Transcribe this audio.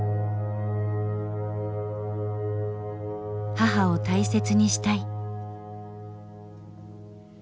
母を大切にしたい。